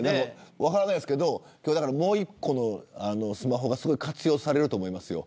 分からないですけど今日もう一個のスマホが活用されると思いますよ。